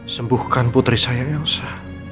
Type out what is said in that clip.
sembuhkan putri saya elsa